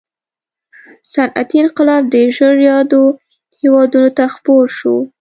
صنعتي انقلاب ډېر ژر یادو هېوادونو ته خپور شو.